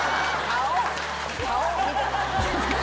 顔！